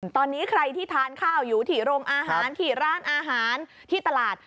ตอนนี้ใครที่ทานข้าวอยู่ที่โรงอาหารที่ร้านอาหารที่ตลาด